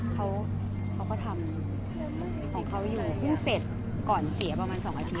เขาก็ทำของเขาอยู่เพิ่งเสร็จก่อนเสียประมาณ๒อาทิต